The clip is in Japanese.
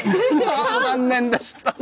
残念でした。